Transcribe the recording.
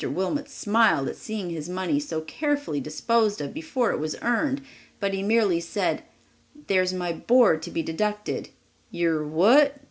Wilmot smiled at seeing his money so carefully disposed of before it was earned, but he merely said, "There's my board to be deducted." "Your what?"